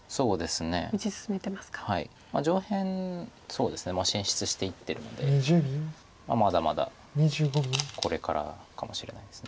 そうですね進出していってるのでまだまだこれからかもしれないです。